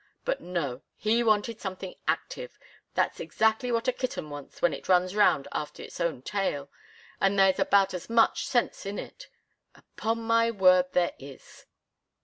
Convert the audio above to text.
But no! He wanted something active! That's exactly what a kitten wants when it runs round after its own tail and there's about as much sense in it. Upon my word, there is!"